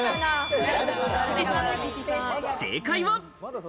正解は。